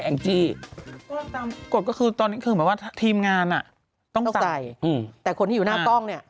จี้ก็ตามกฎก็คือตอนนี้คือเหมือนว่าทีมงานอ่ะต้องใส่แต่คนที่อยู่หน้ากล้องเนี่ย